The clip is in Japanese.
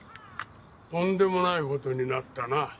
とんでもないことになったな。